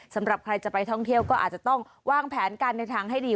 สำหรับใครจะไปท่องเที่ยวก็อาจจะต้องวางแผนกันในทางให้ดี